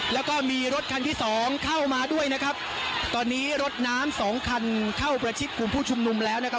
แล้วก็มีรถคันที่สองเข้ามาด้วยนะครับตอนนี้รถน้ำสองคันเข้าประชิดกลุ่มผู้ชุมนุมแล้วนะครับ